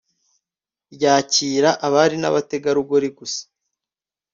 ryakira abari n’abategarugori gusa